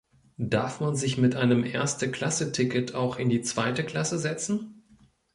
Darf man sich mit einem Erste-Klasse-Ticket auch in die zweite Klasse setzen?